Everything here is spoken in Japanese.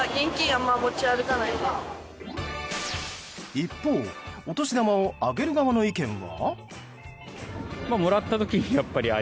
一方、お年玉をあげる側の意見は。